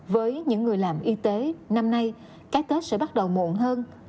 với những người làm y tế năm nay cái tết sẽ bắt đầu muộn hơn